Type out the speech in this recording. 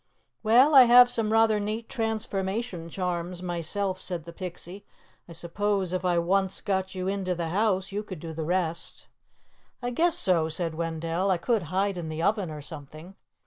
"Well, I have some rather neat transformation charms, myself," said the Pixie. "I suppose if I once got you into the house, you could do the rest." "I guess so," said Wendell. "I could hide in the oven or something."